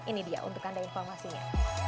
ini dia untuk anda informasinya